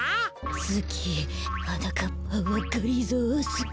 すきはなかっぱはがりぞーをすき。